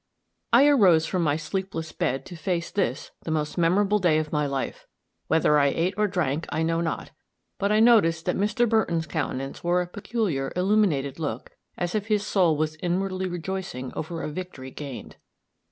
I arose from my sleepless bed to face this, the most memorable day of my life. Whether I ate or drank, I know not; but I noticed that Mr. Burton's countenance wore a peculiar, illuminated look, as if his soul was inwardly rejoicing over a victory gained.